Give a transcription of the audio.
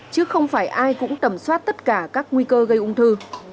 chứ không phải ai cũng tầm soát tất cả các nguy cơ gây ung thư